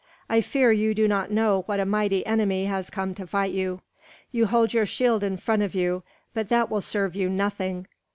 I fear you do not know what a mighty enemy has come to fight you. You hold your shield in front of you; but that will serve you nothing.